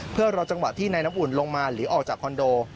เพื่อรอจังหวะที่นายน้ำอุ่นลงมาหรือออกจากคอนโด